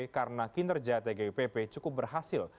karena kinerja tgupp cukup berhasil